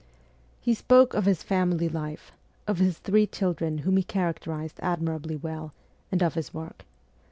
He spoke of his family life, of his three children whom he characterized admirably well, and of his work.